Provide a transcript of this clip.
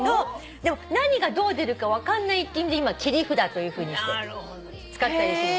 でも何がどう出るか分かんないって意味で今切り札というふうにして使ったりするのね。